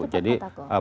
apa itu kotaku